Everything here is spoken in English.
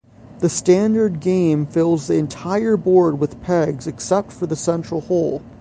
The standard game fills the entire board with pegs except for the central hole.